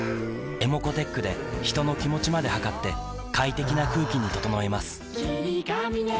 ｅｍｏｃｏーｔｅｃｈで人の気持ちまで測って快適な空気に整えます